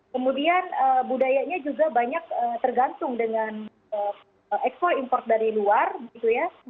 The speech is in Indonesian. kemudian budayanya juga banyak tergantung dengan ekspor import dari luar gitu ya